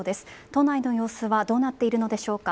都内の様子はどうなっているのでしょうか。